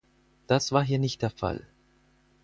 Das war hier nicht der Fall.